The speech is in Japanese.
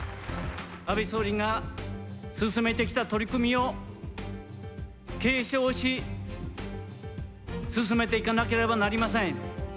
安倍総理が、進めてきた取り組みを、継承し、進めていかなければなりません。